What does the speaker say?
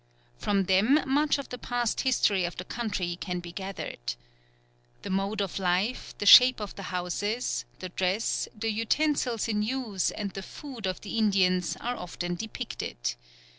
From them much of the past history of the country can be gathered. The mode of life, the shape of the houses, the dress, the utensils in use and the food of the Indians are often depicted.